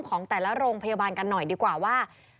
ของแต่ละโรงพยาบาลกันหน่อยดีกว่าว่า